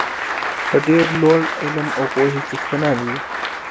د ډېر لوړ علم او پوهې څښتنان وي.